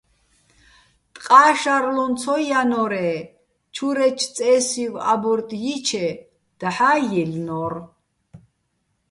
ტყა́ შარლუჼ ცო ჲანო́რე́, ჩურეჩო̆ წე́სივ აბორტ ჲიჩე, დაჰ̦ა́ ჲაჲლნო́რ.